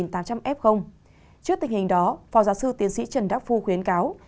trước tình hình đó phó giáo sư tiến sĩ trần đắc phu khuyến cáo